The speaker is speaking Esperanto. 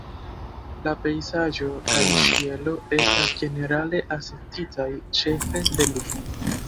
La pejzaĝo kaj ĉielo estas ĝenerale akceptitaj ĉefe de li.